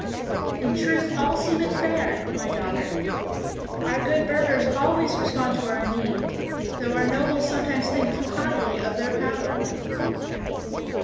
" In truth all seemeth fair, my daughter. Our good burghers always respond to our need, though our nobles 64 THE PRINCESS WINS sometimes think too highly of their power.